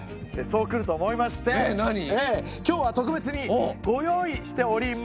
そうくると思いまして今日は特別にご用意しております！